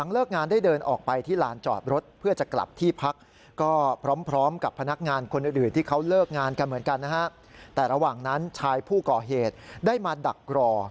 เลิกงานกันเหมือนกันนะฮะแต่ระหว่างนั้นชายผู้ก่อเหตุได้มาดักรอ